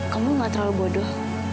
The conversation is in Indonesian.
kamu gak terlalu bodoh